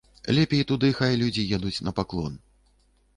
Лепей туды хай людзі едуць на паклон.